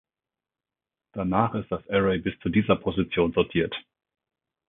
Danach ist das Array bis zu dieser Position sortiert.